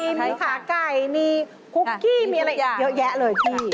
มีขาไก่มีคุกกี้มีอะไรเยอะแยะเลยพี่